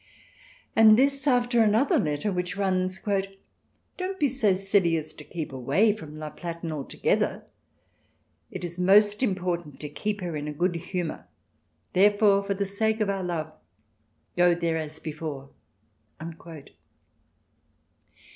And this after another letter, which runs :" Don't be so silly as to keep away from La Platen altogether. ... It is most important to keep her in a good humour; therefore, for the sake of our love, go there as before."